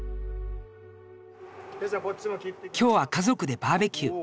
今日は家族でバーベキュー。